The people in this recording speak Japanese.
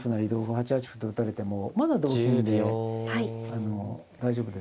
８八歩と打たれてもまだ同金で大丈夫ですのでね